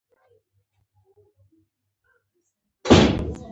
ناڅاپي بريک نيول مې ورسره مخالف و.